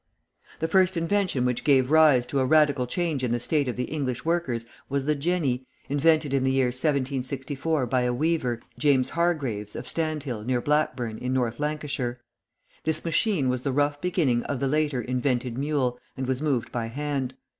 The first invention which gave rise to a radical change in the state of the English workers was the jenny, invented in the year 1764 by a weaver, James Hargreaves, of Standhill, near Blackburn, in North Lancashire. This machine was the rough beginning of the later invented mule, and was moved by hand.